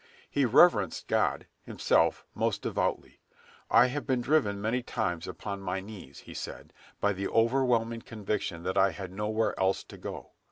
He reverenced God, himself, most devoutly. "I have been driven many times upon my knees," he said, "by the overwhelming conviction that I had nowhere else to go.